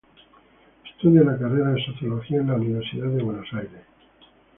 Estudia la carrera de Sociología en la Universidad de Buenos Aires.